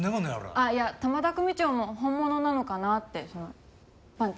あっいや玉田組長も本物なのかなってそのパンチ。